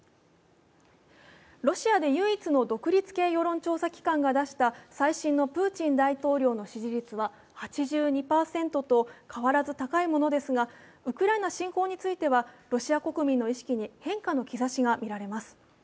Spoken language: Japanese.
ロシアで唯一の独立系世論調査機関が出した最新のプーチン大統領の支持率は８２％と変わらず高いものですが、ウクライナ侵攻についてはロシア国民の意識に変化の兆しが見られます。